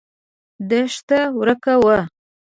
دښته ورکه وه.